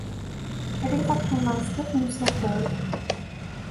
Riɣ ad qqimeɣ ɣer sdat n usakal.